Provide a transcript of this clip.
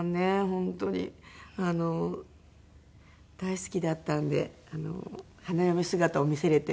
本当に大好きだったんで花嫁姿を見せられて。